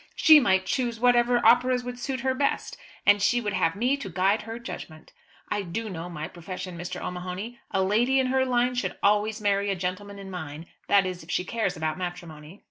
She might choose whatever operas would suit her best; and she would have me to guide her judgment! I do know my profession, Mr. O'Mahony. A lady in her line should always marry a gentleman in mine; that is if she cares about matrimony."